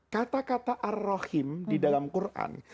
karena kata ar rahim di dalam quran